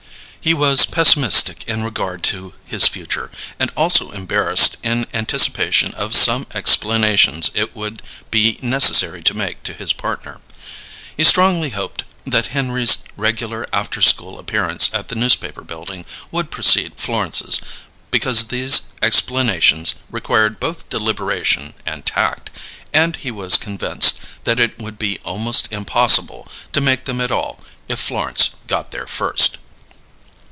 He was pessimistic in regard to his future, and also embarrassed in anticipation of some explanations it would be necessary to make to his partner. He strongly hoped that Henry's regular after school appearance at the Newspaper Building would precede Florence's, because these explanations required both deliberation and tact, and he was convinced that it would be almost impossible to make them at all if Florence got there first.